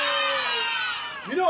見ろ！